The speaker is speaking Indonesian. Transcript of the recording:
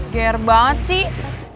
ger banget sih